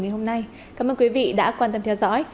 ngày hôm nay cảm ơn quý vị đã quan tâm theo dõi